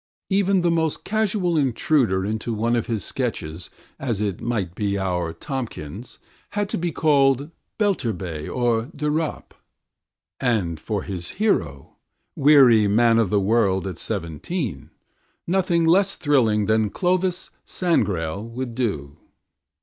Even the most casual intruder into one of his sketches, as it might be our Tomkins, had to be called Belturbet or de Ropp, and for his hero, weary man of the world at seventeen, nothing less thrilling than Clovis Sangrail would do.